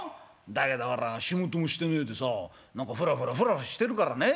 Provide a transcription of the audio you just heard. だけどほら仕事もしてねえでさ何かフラフラフラフラしてるからね